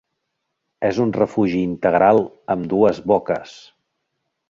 És un refugi integral amb dues boques.